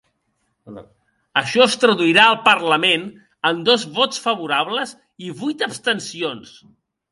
Això es traduirà al parlament en dos vots favorables i vuit abstencions.